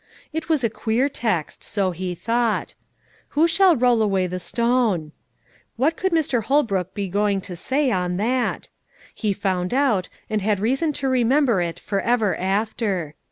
It was a queer text, so he thought, "Who shall roll away the stone?" What could Mr. Holbrook be going to say on that? He found out, and had reason to remember it for ever after.